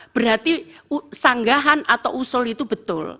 berarti sanggahan atau usul itu betul